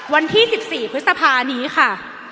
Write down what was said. วันที่๑๔พฤษภานี้ค่ะ